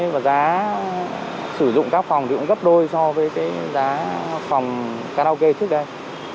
và giá sử dụng các phòng thì cũng gấp đôi so với giá phòng karaoke trước đây